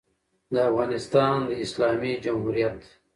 د افغانستان د اسلامي جمهوریت